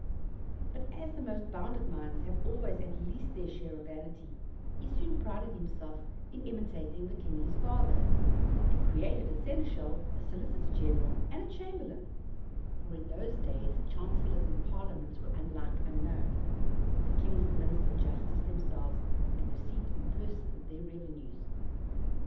But as the most bounded minds have always at least their share of vanity, he soon prided himself in imitating the king his father, and created a seneschal, a solicitor general, and a cham berlain (for in those days chancellors and parliaments were unlike unknown; the kings administered justice themselves, and received in person their revenues).